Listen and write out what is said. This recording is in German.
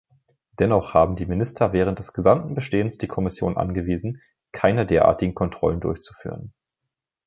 Dennoch haben die Minister während des gesamten Bestehens die Kommission angewiesen, keine derartigen Kontrollen durchzuführen.